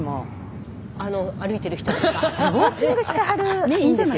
あの歩いてる人ですか？